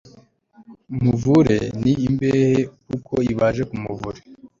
muvure ni imbehe kuko ibaje nk'umuvure